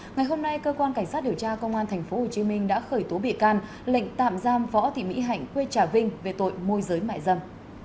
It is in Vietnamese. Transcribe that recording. ngày hôm nay cơ quan cảnh sát điều tra công an tp hcm đã khởi tố bị can lệnh tạm giam phó thị mỹ hạnh quê trà vinh về tội môi giới mại dâm